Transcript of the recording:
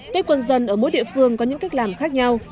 tết quân dân ở mỗi địa phương có những cách làm khác nhau